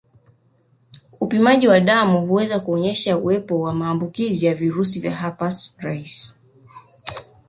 Upimaji wa damu huweza kuonyesha uwepo wa maambukizi ya virusi vya herpes rahisi